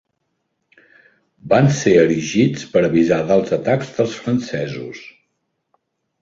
Van ser erigits per avisar dels atacs dels francesos.